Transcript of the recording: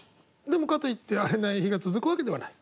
でもかといって荒れない日が続くわけではない。